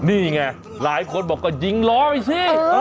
นี่ไงหลายคนบอกก็ยิงร้อยสิ